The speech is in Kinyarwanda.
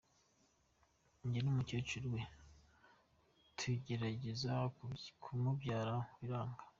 Jye n’umukecuru we tugerageza kumubyaza biranga.